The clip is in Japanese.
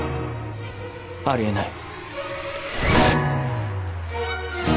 ありえない。